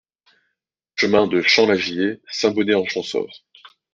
Chemin de Champ Lagier, Saint-Bonnet-en-Champsaur